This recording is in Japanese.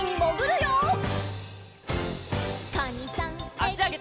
あしあげて。